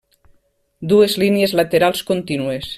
Dues línies laterals contínues.